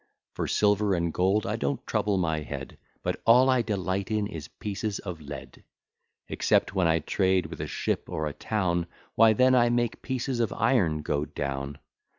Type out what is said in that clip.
For silver and gold I don't trouble my head, But all I delight in is pieces of lead; Except when I trade with a ship or a town, Why then I make pieces of iron go down.